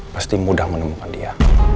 pasti mudah menemukan dia